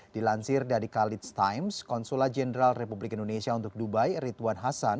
dilansir dari khalids times konsulat jenderal republik indonesia untuk dubai ridwan hasan